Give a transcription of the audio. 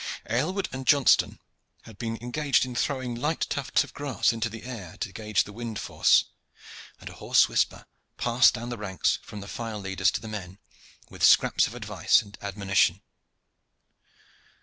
Aylward and Johnston had been engaged in throwing light tufts of grass into the air to gauge the wind force, and a hoarse whisper passed down the ranks from the file leaders to the men, with scraps of advice and admonition.